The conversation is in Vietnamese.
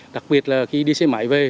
đặc biệt là khi đi xe máy về